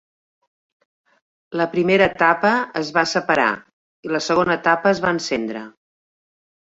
La primera etapa es va separar i la segona etapa es va encendre.